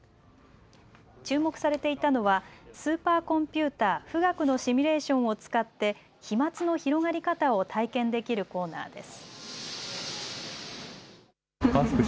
注目されていたのはスーパーコンピューター、富岳のシミュレーションを使って飛まつの広がり方を体験できるコーナーです。